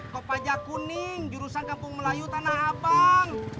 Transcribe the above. kok pajak kuning jurusan kampung melayu tanah abang